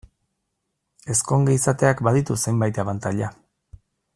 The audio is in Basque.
Ezkonge izateak baditu zenbait abantaila.